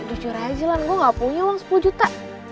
jujur aja lah gue gak punya uang sepuluh juta